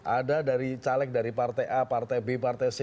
ada dari caleg dari partai a partai b partai c